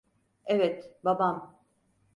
Evet, babam.